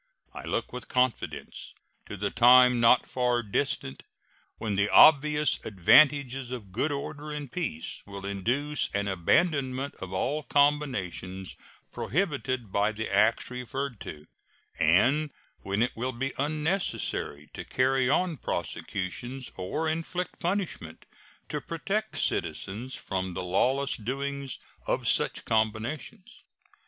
I look with confidence to the time, not far distant, when the obvious advantages of good order and peace will induce an abandonment of all combinations prohibited by the acts referred to, and when it will be unnecessary to carry on prosecutions or inflict punishment to protect citizens from the lawless doings of such combinations.